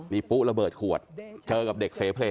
นี่ปุ๊ระเบิดขวดเจอกับเด็กเสเพลย์